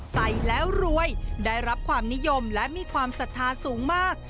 ใส่แล้วรวยได้รับความนิยมและมีความศรัทธาสูงมาก